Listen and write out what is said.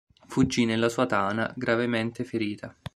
Fuggì nella sua tana, gravemente ferita.